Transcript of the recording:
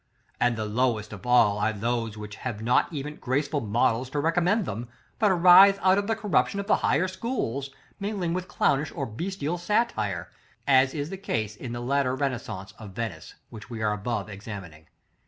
And the lowest of all are those which have not even graceful models to recommend them, but arise out of the corruption of the higher schools, mingled with clownish or bestial satire, as is the case in the latter Renaissance of Venice, which we were above examining.